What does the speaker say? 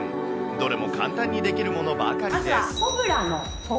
どれも簡単にできるものばかりです。